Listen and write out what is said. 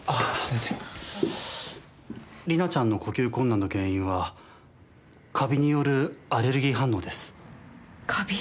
先生里奈ちゃんの呼吸困難の原因はカビによるアレルギー反応ですカビ？